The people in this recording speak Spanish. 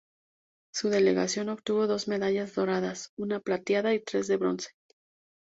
Su delegación obtuvo dos medallas doradas, una plateada y tres de bronce.